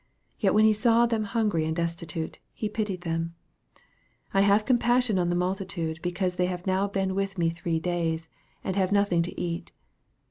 Yet when He saw them hungry and destitute, He pitied them :" I have compassion on the multitude, because they have now been with me three days, and have nothing to eat."